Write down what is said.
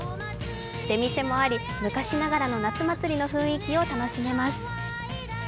出店もあり昔ながらの夏祭りの雰囲気を楽しめます。